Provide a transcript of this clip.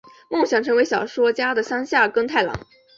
梦想成为小说家的山下耕太郎！